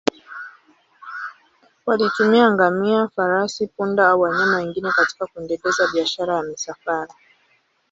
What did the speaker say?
Walitumia ngamia, farasi, punda au wanyama wengine katika kuendeleza biashara ya misafara.